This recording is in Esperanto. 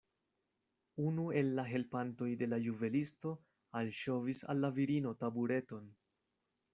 Unu el la helpantoj de la juvelisto alŝovis al la virino tabureton.